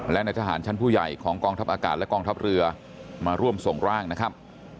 และในทหารชั้นผู้ใหญ่ของกองทัพอากาศและกองทัพเรือมาร่วมส่งร่างนะครับ